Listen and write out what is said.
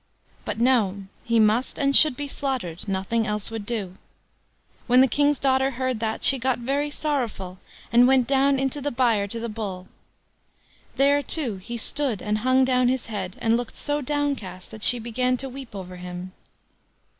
But, no; he must and should be slaughtered, nothing else would do. When the king's daughter heard that, she got very sorrowful, and went down into the byre to the Bull. There, too, he stood and hung down his head, and looked so downcast that she began to weep over him.